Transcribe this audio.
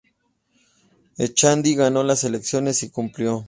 Echandi ganó las elecciones y cumplió.